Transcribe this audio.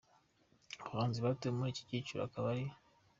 Abahanzi batowe muri iki cyiciro akaba ari:.